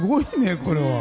これは。